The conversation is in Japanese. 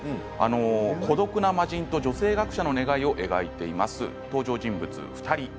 孤独な魔人と女性学者のお話を描いています。